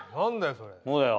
そうだよ。